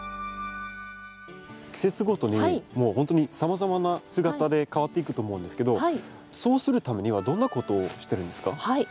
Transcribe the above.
季節ごとにもうほんとにさまざまな姿で変わっていくと思うんですけどそうするためにはどんなことをしてるんですか？